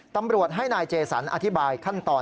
ตำรวจให้นายเจสันอธิบายขั้นตอน